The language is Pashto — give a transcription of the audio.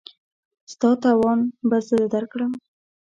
ستا تاوان به زه درکړم.